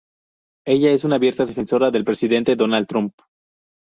Ella es una abierta defensora del Presidente Donald Trump.